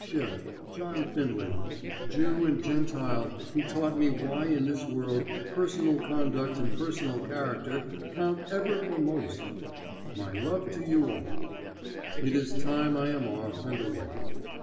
Schiff, John Finley, Jew and Gentile who taught me why in this world personal conduct and personal character count ever for most, my love to you all! It is time I am off and away.